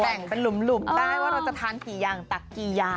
แบ่งเป็นหลุมได้ว่าเราจะทานกี่อย่างตักกี่อย่าง